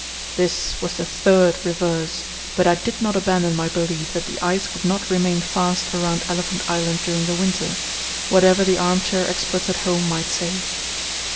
This was the third reverse, but I did not abandon my belief that the ice would not remain fast around Elephant Island during the winter, whatever the arm chair experts at home might say.